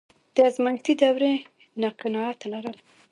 د ازمایښتي دورې نه قناعت لرل.